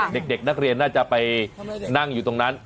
เด็กนักเรียนน่าจะไปนั่งอยู่ตรงนั้น